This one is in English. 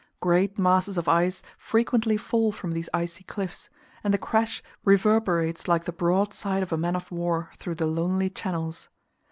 Great masses of ice frequently fall from these icy cliffs, and the crash reverberates like the broadside of a man of war through the lonely channels.